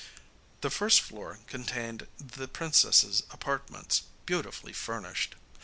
The first floor contained the princess's apartments, beautifully furnished.